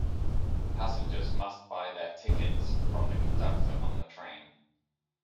Passengers must buy their tickets from the conductor on the train.